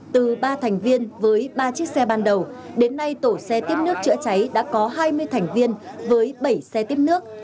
từ ba thành viên với ba chiếc xe ban đầu đến nay tổ xe tiếp nước chữa cháy đã có hai mươi thành viên với bảy xe tiếp nước